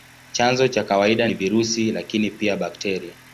Chanzo cha kawaida ni virusi, lakini pia bakteria.